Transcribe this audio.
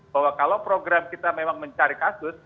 bahwa kalau program kita memang mencari kasus